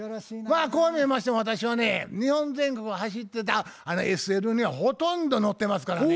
こう見えましても私はね日本全国走ってたＳＬにはほとんど乗ってますからね。